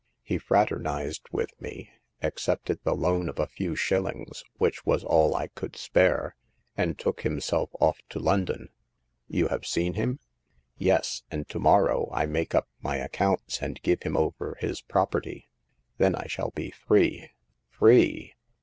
He fraternized with me, accepted the loan of a few shillings— which was all I could spare— and took himself off to London. You have seen him ?"Yes ; and to morrow I make up my accounts and give him over his property. Then I shall be free— free